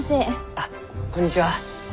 あこんにちは。